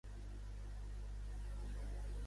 Es diu Camila: ce, a, ema, i, ela, a.